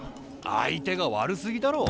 相手が悪すぎだろ。